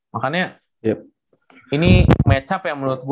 makanya ini match up ya menurut gue